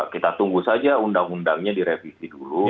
kita tunggu saja undang undangnya direvisi dulu